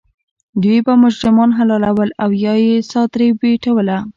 دوی به مجرمان حلالول او یا یې سا ترې بیټوله.